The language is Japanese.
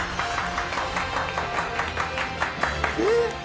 えっ？